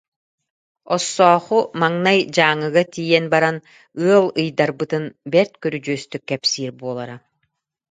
Оссооху маҥнай Дьааҥыга тиийэн баран ыал ыйдарбытын бэрт көрүдьүөстүк кэпсиир буолара